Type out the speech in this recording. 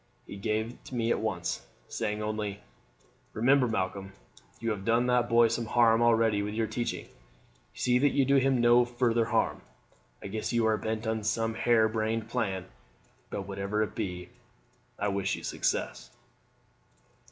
He gave it me at once, saying only: "'Remember, Malcolm, you have done the boy some harm already with your teaching, see that you do him no further harm. I guess you are bent on some hare brained plan, but whatever it be I wish you success.'"